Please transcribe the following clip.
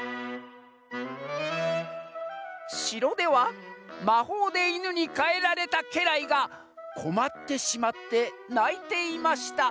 「しろではまほうでイヌにかえられたけらいがこまってしまってないていました」。